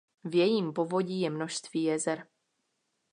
V jejím povodí je množství jezer.